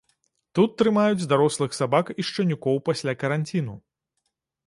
Тут трымаюць дарослых сабак і шчанюкоў пасля каранціну.